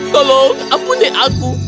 tolong ampuni aku